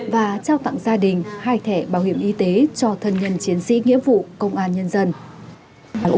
và trao tặng gia đình hai thẻ bảo hiểm y tế cho thân nhân chiến sĩ nghĩa vụ công an nhân dân